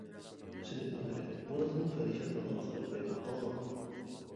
سىنىپ مۇدىرى بۇ دادىنىڭ پەرىشان ھالىغا قاراپ ھەيران قالغان.